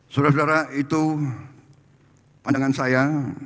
saudara saudara itu pandangan saya